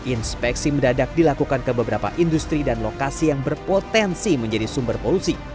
inspeksi mendadak dilakukan ke beberapa industri dan lokasi yang berpotensi menjadi sumber polusi